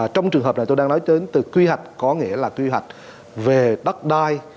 trong trường hợp này tôi đang nói đến từ quy hoạch có nghĩa là quy hoạch về đất đai